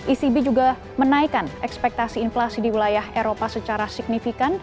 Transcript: ecb juga menaikkan ekspektasi inflasi di wilayah eropa secara signifikan